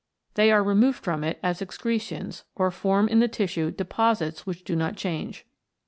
They are removed from it as excretions, or form in the tissue deposits which do not change.